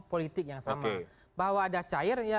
politik yang sama bahwa ada cairnya